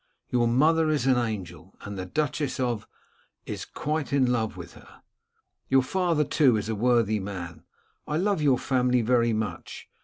Your mother is an angel, and the Duchess of is quite in love with her. Your father, too, is a worthy man. I love your family very much.